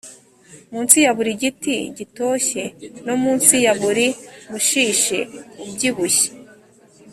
mu nsi ya buri giti gitoshye no mu nsi ya buri mushishi ubyibushye